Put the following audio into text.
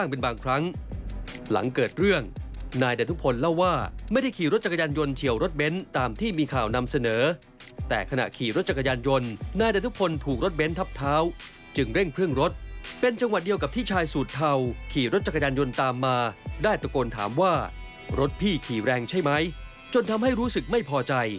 เป็นบางครั้งหลังเกิดเรื่องนายแต่ทุกคนเล่าว่าไม่ได้ขี่รถจักรยานยนต์เฉียวรถเบนต์ตามที่มีข่าวนำเสนอแต่ขณะขี่รถจักรยานยนต์นายแต่ทุกคนถูกรถเบนต์ทับเท้าจึงเร่งเครื่องรถเป็นจังหวะเดียวกับที่ชายสูตรเทาขี่รถจักรยานยนต์ตามมาได้ตะโกนถามว่ารถพี่ขี่แรงใช่ไหมจนทำให้รู้สึกไม่พอใ